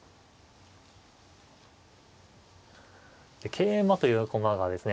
桂馬という駒がですね渡すと。